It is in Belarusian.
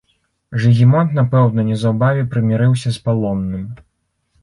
Жыгімонт, напэўна, неўзабаве прымірыўся з палонным.